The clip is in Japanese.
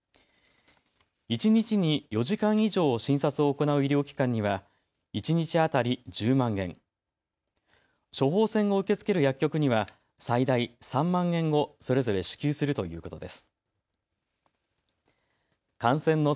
一日に４時間以上、診察を行う医療機関には一日当たり１０万円、処方箋を受け付ける薬局には最大３万円をそれぞれ支給するということです。